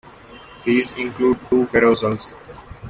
These include two carousels.